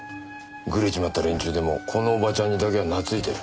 グレちまった連中でもこのおばちゃんにだけはなついてる。